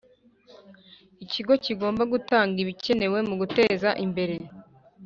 Ikigo kigomba gutanga ibikenewe mu guteza imbere